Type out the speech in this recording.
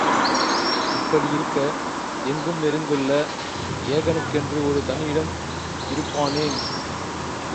இப்படி இருக்க, எங்கும் நிறைந்துள்ள ஏகனுக்கென்று ஒரு தனி இடம் இருப்பானேன்?